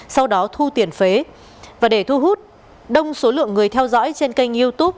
sau đó thu tiền phế và để thu hút đông số lượng người theo dõi trên kênh youtube